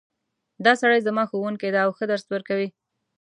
دا سړی زما ښوونکی ده او ښه درس ورکوی